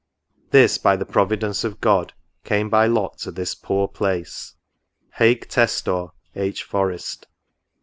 This, by the Pro vidence of God, came by lot to this poor place. Haec testor H. Forest."